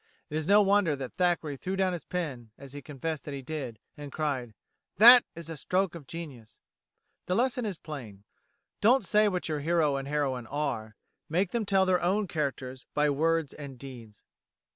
It is no wonder that Thackeray threw down his pen, as he confessed that he did, and cried, 'That is a stroke of genius.'" The lesson is plain. Don't say what your hero and heroine are: make them tell their own characters by words and deeds.